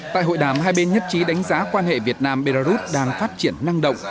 tại hội đàm hai bên nhất trí đánh giá quan hệ việt nam belarus đang phát triển năng động